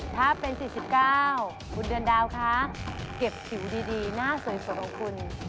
ถ้าเป็น๔๙คุณเดือนดาวคะเก็บผิวดีหน้าสวยของคุณ